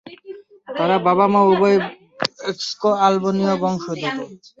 তার বাবা-মা উভয়েই ক্সোভো-আলবেনীয় বংশোদ্ভূত।